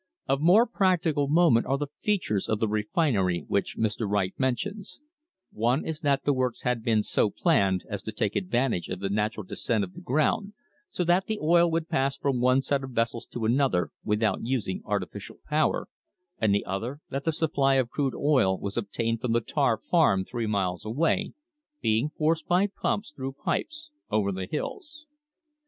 Of more practical moment are the features of the refinery which Mr. Wright mentions: one is that the works had been so planned as to take advantage of the natural descent of the ground so that the oil would pass from one set of vessels to another without using artificial power, and the other that the supply of crude oil was obtained from the Tarr farm three miles away, being forced by pumps, through pipes, over the hills.